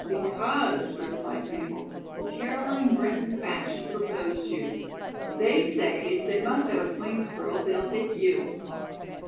"Because," replied Mabel, "the Caroline Brinton faction proposed you. They say, if they must have a Queen's girl, they'll take you."